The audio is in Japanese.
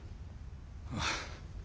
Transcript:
ああ。